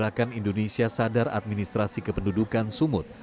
sejak tahun ini kota indonesia sadar administrasi kependudukan sumut